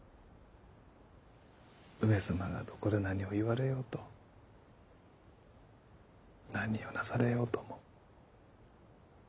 上様がどこで何を言われようと何をなされようとも。